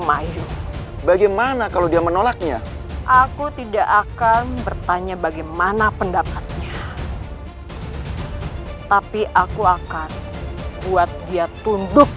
takkan aku maafkan orang yang berani bakar gunggu